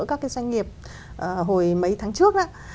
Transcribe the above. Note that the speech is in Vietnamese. các cái doanh nghiệp hồi mấy tháng trước